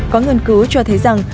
có nghiên cứu cho thấy rằng